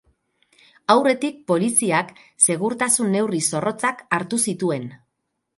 Aurretik poliziak segurtasun-neurri zorrotzak hartu zituen.